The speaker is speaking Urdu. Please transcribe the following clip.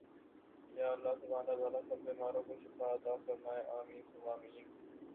یا اللّٰہ سبحان اللّٰہ تعالی سب بیماروں کو شفاء عطاء فرمائے آمین ثم آمین